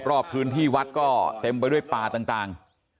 รอบพื้นที่วัดก็เต็มไปด้วยป่าต่าง